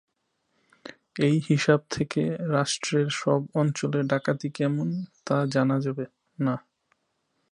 এই হিসাব থেকে রাষ্ট্রের সব অঞ্চলে ডাকাতি কেমন, তা জানা যাবে না।